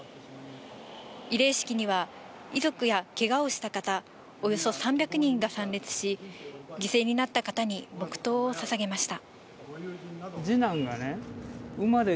慰霊式には遺族や、けがをした方、およそ３００人が参列し、黙とうを捧げました。